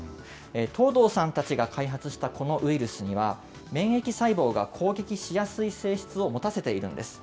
藤堂さんたちが開発したこのウイルスには、免疫細胞が攻撃しやすい性質を持たせているんです。